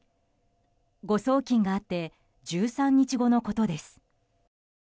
誤送金があって１３日後のことです。